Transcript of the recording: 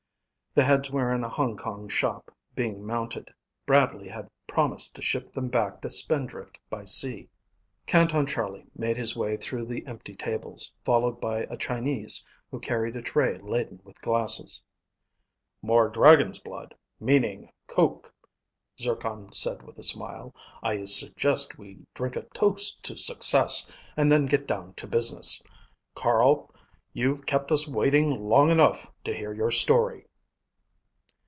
The heads were in a Hong Kong shop, being mounted. Bradley had promised to ship them back to Spindrift by sea. Canton Charlie made his way through the empty tables, followed by a Chinese who carried a tray laden with glasses. "More dragon's blood, meaning coke," Zircon said with a smile. "I suggest we drink a toast to success and then get down to business. Carl, you've kept us waiting long enough to hear your story."